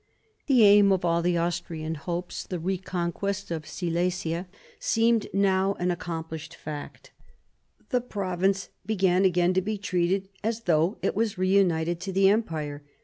The aim of all the Austrian hopes, the reconquest of Silesia, seemed now an accomplished fact. The province began again to be treated as though it was reunited to the Empire.